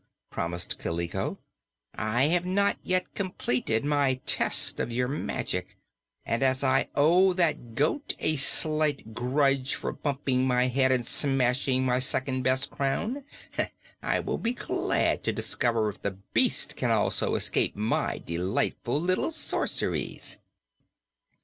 promised Kaliko. "I have not yet completed my test of your magic, and as I owe that goat a slight grudge for bumping my head and smashing my second best crown, I will be glad to discover if the beast can also escape my delightful little sorceries."